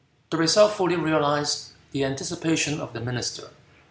The result fully realized the anticipation of the minister.